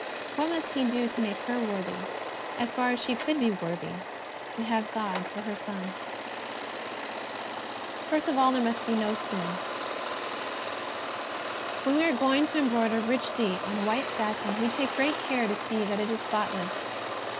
What must He do to make her worthy, as far as she could be worthy, to have God for her Son ? First of all there must be no sin. When we are going to embroider richly on white satin, we take care to see that it is spotless.